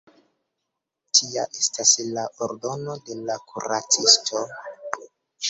Tia estas la ordono de la kuracisto.